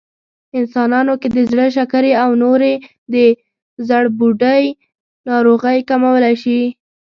انسانانو کې د زړه، شکرې او نورې د زړبوډۍ ناروغۍ کمولی شي